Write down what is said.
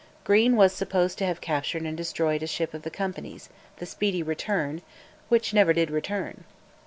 Green was supposed to have captured and destroyed a ship of the Company's, the Speedy Return, which never did return.